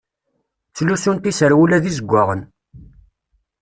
Ttlussunt iserwula d izeggaɣen.